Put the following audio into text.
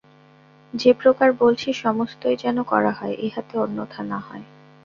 যে প্রকার বলছি সমস্তই যেন করা হয়, ইহাতে অন্যথা না হয়।